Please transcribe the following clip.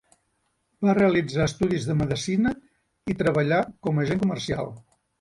Va realitzar estudis de medicina i treballà com a agent comercial.